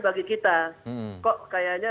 bagi kita kok kayaknya